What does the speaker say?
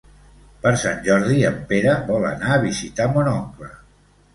Per Sant Jordi en Pere vol anar a visitar mon oncle.